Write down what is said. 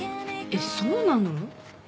えっそうなの？